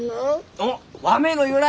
おっ和名の由来！？